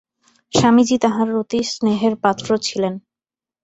স্বামীজী তাঁহার অতি স্নেহের পাত্র ছিলেন।